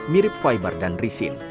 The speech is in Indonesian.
mirip fiber dan resin